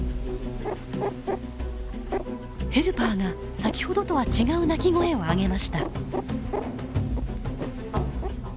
ヘルパーが先ほどとは違う鳴き声を上げました。